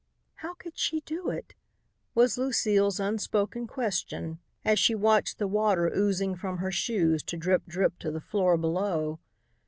"How could she do it?" was Lucile's unspoken question as she watched the water oozing from her shoes to drip drip to the floor below.